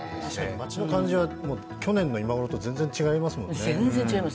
街の感じは去年の今ごろと全然違いますものね。